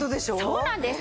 そうなんです。